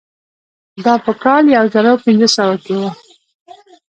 دا په کال یو زر پنځه سوه کې وه.